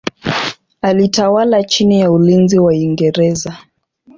Alitawala chini ya ulinzi wa Uingereza.